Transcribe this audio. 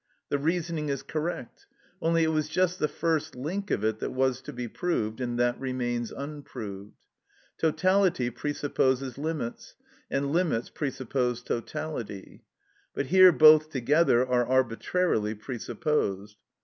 The reasoning is correct, only it was just the first link of it that was to be proved, and that remains unproved. Totality presupposes limits, and limits presuppose totality; but here both together are arbitrarily presupposed.